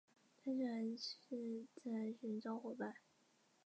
这时它们可以产卵及排精。